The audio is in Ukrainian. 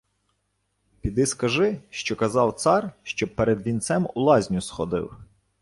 Піди скажи, що казав цар, щоб перед вінцем у лазню сходив.